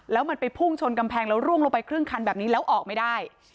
แล้วมันไปพุ่งชนกำแพงแล้วร่วงลงไปครึ่งคันแบบนี้แล้วออกไม่ได้